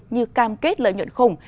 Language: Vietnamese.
như cam kết lợi nhuận khủng